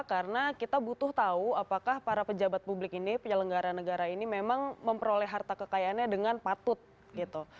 karena kita butuh tahu apakah para pejabat publik ini penyelenggara negara ini memang memperoleh harta kekayaannya dengan patut gitu